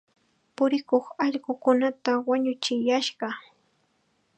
Purikuq allqukunata wañuchiyashqa.